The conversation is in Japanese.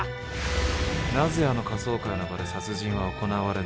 なぜあの仮装会の場で殺人は行われたのか。